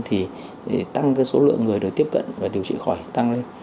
thì tăng số lượng người được tiếp cận và điều trị khỏi tăng lên